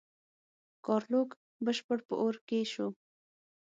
ګارلوک بشپړ په اور کې شو.